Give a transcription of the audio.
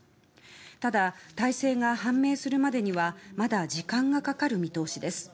ただ、大勢が判明するまでにはまだ時間がかかる見通しです。